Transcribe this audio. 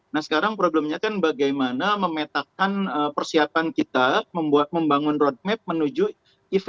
nah sekarang problemnya kan bagaimana memetakkan persiapan kita membuat membangun road map menuju eventnya itu saja